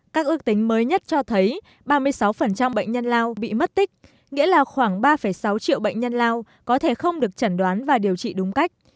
các ước tính mới nhất cho thấy ba mươi sáu bệnh nhân lao bị mất tích nghĩa là khoảng ba sáu triệu bệnh nhân lao có thể không được chẩn đoán và điều trị đúng cách